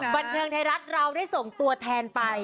บันเทิงไทยรัฐเราได้ส่งตัวแทนไป